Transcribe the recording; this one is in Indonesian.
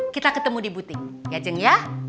kita ketemu di butik ya jeng ya